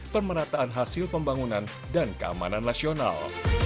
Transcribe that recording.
pemerataan hasil pembangunan dan keamanan nasional